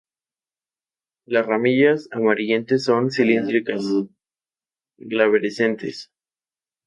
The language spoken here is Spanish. Las ramillas amarillentas, son cilíndricas, glabrescentes.